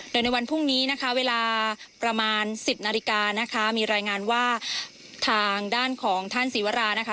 โดยในวันพรุ่งนี้นะคะเวลาประมาณสิบนาฬิกานะคะมีรายงานว่าทางด้านของท่านศิวรานะคะ